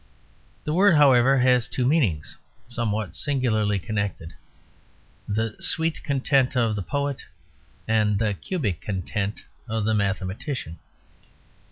The word, however, has two meanings, somewhat singularly connected; the "sweet content" of the poet and the "cubic content" of the mathematician.